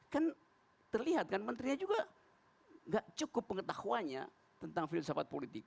kan terlihat kan menterinya juga nggak cukup pengetahuannya tentang filsafat politik